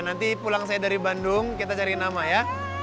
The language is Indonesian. nanti pulang saya dari bandung kita cari nama ya